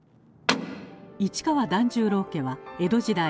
市川團十郎家は江戸時代